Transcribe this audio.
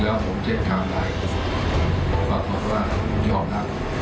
แล้วผมเจ็บข้างใดเพราะว่ายอมรับ